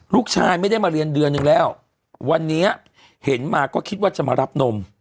ลูกชายไม่ได้มาเรียนเดือนนึงแล้ววันนี้เห็นมาก็คิดว่าจะมารับนม